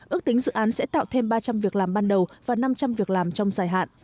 ước tính dự án sẽ tạo thêm ba trăm linh việc làm ban đầu và năm trăm linh việc làm trong dài hạn